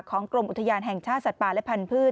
กรมอุทยานแห่งชาติสัตว์ป่าและพันธุ์